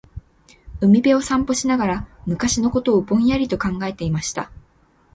•海辺を散歩しながら、昔のことをぼんやりと考えていました。